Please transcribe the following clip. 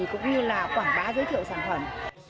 cũng như là quảng bá giới thiệu sản phẩm